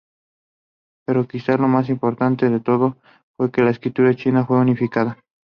Pero quizás lo más importante de todo, fue que la escritura china fue unificada.